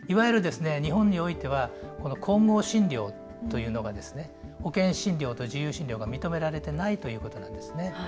日本においては混合治療というのが保険適用と自由診療が認められていないということなんですね。